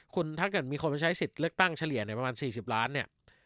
คุณถ้าเกิดมีคนมาใช้สิทธิ์เลือกตั้งเฉลี่ยเนี่ยประมาณ๔๐ล้านเนี่ย